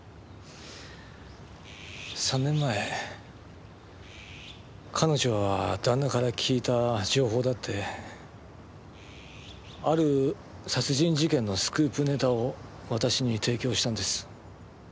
３年前彼女は「旦那から聞いた情報だ」ってある殺人事件のスクープネタを私に提供したんです。